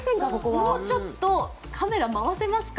もうちょっとカメラ回せますか？